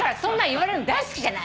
言われるの大好きじゃない。